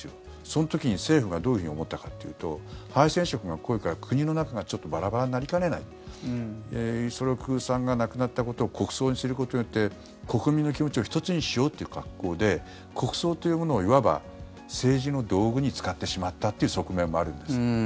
その時に政府がどういうふうに思ったかというと敗戦色が濃いから国の中がバラバラになりかねない五十六さんが亡くなったことを国葬にすることによって国民の気持ちを一つにしようという格好で国葬というものをいわば政治の道具に使ってしまったという側面もあるんです。